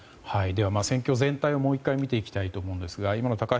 戦況全体をもう１回見ていきたいと思います。